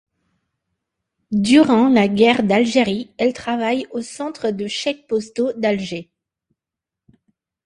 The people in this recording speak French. Durant la Guerre d'Algérie, elle travaille au centre de chèques postaux d’Alger.